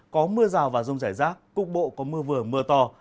có mưa rào và rông rải rác cục bộ có mưa vừa mưa to